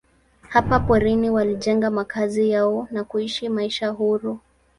Hapa porini walijenga makazi yao na kuishi maisha huru.